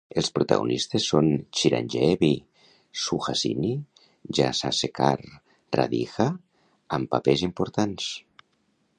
Els protagonistes són Chiranjeevi, Suhasini, Rajasekhar i Radhika amb papers importants.